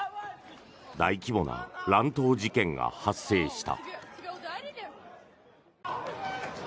大規模な乱闘事件が発生した。